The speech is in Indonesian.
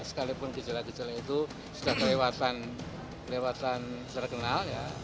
sekalipun gejala gejala itu sudah kelewatan terkenal